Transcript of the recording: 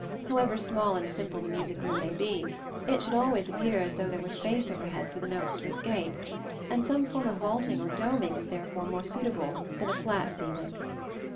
However small and simple the music room may be, it should always appear as though there were space overhead for the notes to escape; and some form of vaulting or doming is therefore more suitable than a flat ceiling.